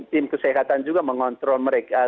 tim kesehatan juga mengontrol mereka